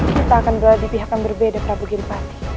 kita akan berada di pihak yang berbeda prabu gilpat